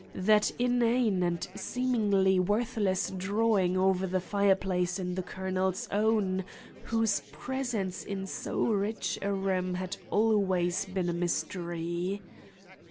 That inane and seemingly worthless drawing over the fireplace in The Colonel's Own, whose presence in so rich a room has always been a mystery!